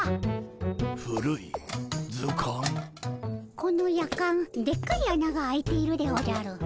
このやかんでっかいあなが開いているでおじゃる。